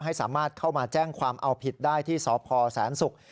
ให้สามารถเข้ามาแจ้งความเอาผิดได้ที่สพแสนศุกร์